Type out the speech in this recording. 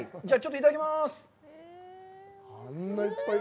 いただきます！